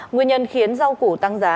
nguyên nhân khiến rau củ tăng giá